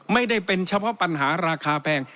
ไม่ได้เป็นเฉพาะปัญหาราคาแพง